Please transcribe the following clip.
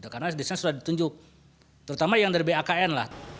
karena disini sudah ditunjuk terutama yang dari bakn